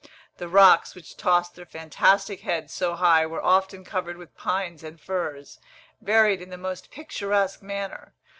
The rocks which tossed their fantastic heads so high were often covered with pines and firs, varied in the most picturesque manner.